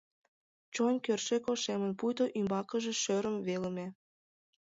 Чойн кӧршӧк ошемын, пуйто ӱмбакыже шӧрым велыме.